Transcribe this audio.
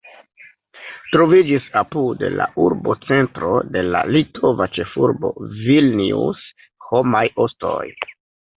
Troviĝis apud la urbocentro de la litova ĉefurbo Vilnius homaj ostoj.